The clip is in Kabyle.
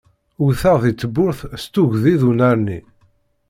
Wwteɣ di tewwurt s tuggdi d uneɣni.